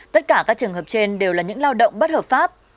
tất cả các trường hợp trên đều là những lao động bất hợp pháp